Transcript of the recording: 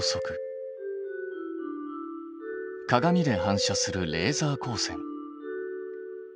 鏡で反射するレーザー光線。